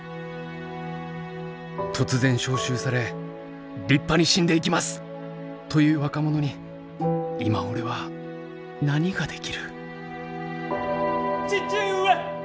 突然召集され「立派に死んでいきます！」と言う若者に今俺は何ができる父上！